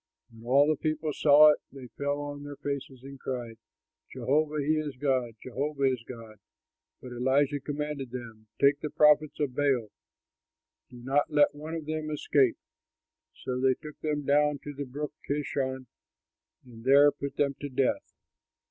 When all the people saw it, they fell on their faces and cried, "Jehovah, he is God; Jehovah, he is God." But Elijah commanded them, "Take the prophets of Baal; do not let one of them escape!" So they took them down to the Brook Kishon and there put them to death.